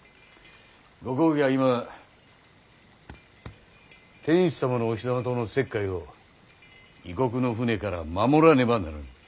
ご公儀は今天子様のお膝元の摂海を異国の船から守らねばならぬ。